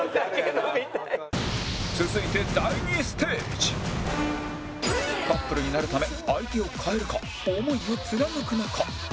続いて第２ステージカップルになるため相手を替えるか想いを貫くのか？